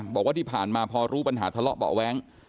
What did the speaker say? บอกว่าที่ผ่านมาพอรู้ปัญหาทะเลาะเบาะแว้ง